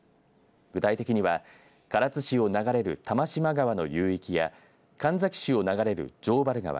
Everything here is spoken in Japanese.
具体的には、唐津市を流れる玉島川の流域や神埼市を流れる城原川